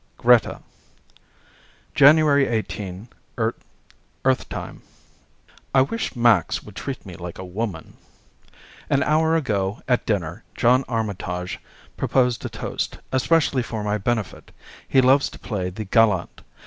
_ GRETA January 18, Earth Time I wish Max would treat me like a woman. An hour ago, at dinner, John Armitage proposed a toast, especially for my benefit. He loves to play the gallant.